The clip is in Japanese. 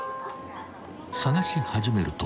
［捜し始めると］